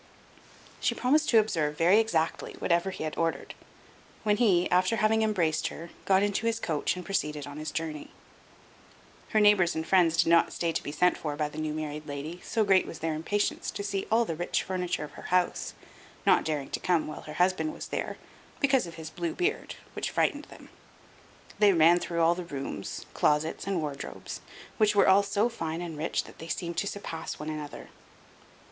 She promised to observe, very exactly, whatever he had ordered; when he, after having embraced her, got into his coach and proceeded on his journey. Her neighbors and good friends did not stay to be sent for by the new married lady, so great was their impatience to see all the rich furniture of her house, not daring to come while her husband was there, because of his blue beard, which frightened them. They ran through all the rooms, closets, and wardrobes, which were all so fine and rich that they seemed to surpass one another.